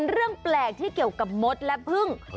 เรื่องแปลกที่เกี่ยวกับมดและพึ่ง